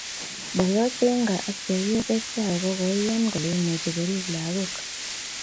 boyot Rhinga ak chepyoset chao ko koian kole imuchi korip langok